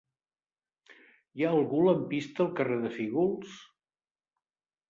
Hi ha algun lampista al carrer de Fígols?